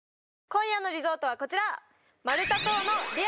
今夜のリゾートはこちら！